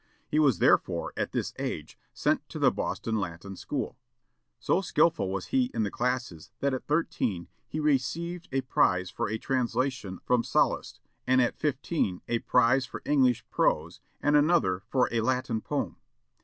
He was therefore, at this age, sent to the Boston Latin School. So skilful was he in the classics that at thirteen he received a prize for a translation from Sallust, and at fifteen a prize for English prose and another for a Latin poem.